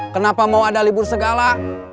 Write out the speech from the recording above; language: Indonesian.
kenapa mau ada libur segala